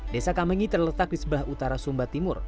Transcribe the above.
desa kamengi terletak di sebelah utara sumba timur